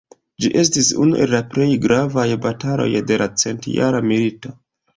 Ĝi estis unu el la plej gravaj bataloj de la Centjara Milito.